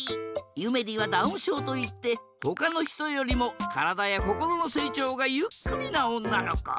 ゆめりはダウンしょうといってほかのひとよりもからだやこころのせいちょうがゆっくりなおんなのこ。